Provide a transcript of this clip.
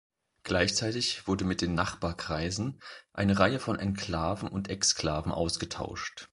Gleichzeitig wurde mit den Nachbarkreisen eine Reihe von Enklaven und Exklaven ausgetauscht.